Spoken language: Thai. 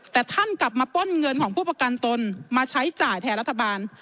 แต่ท่านกลับมาป้นเงินของผู้ประกันตนมาใช้จ่ายแทนรัฐบาล